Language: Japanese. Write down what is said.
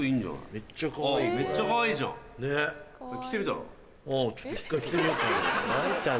めっちゃかわいいじゃん。着てみたら？